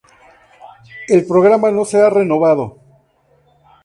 El programa no será renovado.